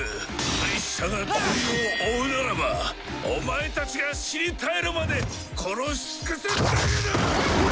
敗者が罪を負うならばお前たちが死に絶えるまで殺し尽くすだけだ！